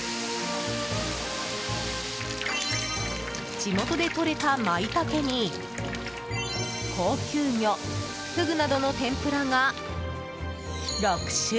地元でとれたマイタケに高級魚フグなどの天ぷらが６種類。